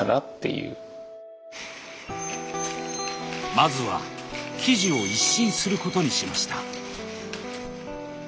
まずは生地を一新することにしました。